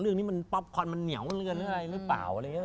เรื่องนี้มันป๊อปคอนมันเหนียวเรือนอะไรหรือเปล่าอะไรอย่างนี้